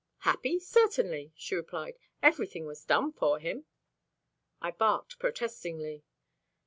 "Happy, certainly," she replied. "Everything was done for him." I barked protestingly.